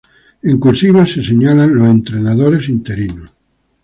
En "cursiva" se señalan los entrenadores interinos.